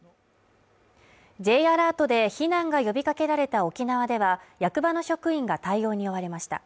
Ｊアラートで避難が呼びかけられた沖縄では役場の職員が対応に追われました。